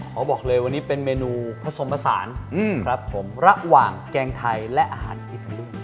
บอกเลยวันนี้เป็นเมนูผสมผสานครับผมระหว่างแกงไทยและอาหารอิตาลี